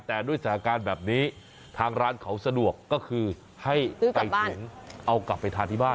แต่ด้วยสถานการณ์แบบนี้ทางร้านเขาสะดวกก็คือให้ไก่ถุงเอากลับไปทานที่บ้าน